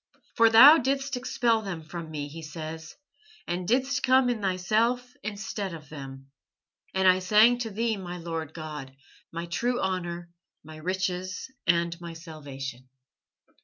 "For Thou didst expel them from me," he says, "and didst come in Thyself instead of them. And I sang to Thee, my Lord God, my true honour, my riches, and my salvation."